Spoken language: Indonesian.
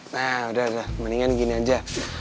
nah udah udah mendingan gini aja